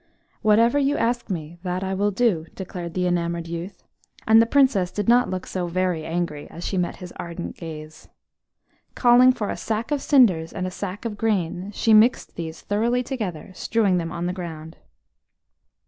"Whatever you ask me, that will I do," declared the enamoured youth, and the Princess did not look so very angry as she met his ardent gaze. Calling for a sack of cinders and a sack of grain, she mixed these thoroughly together, strewing them on the ground.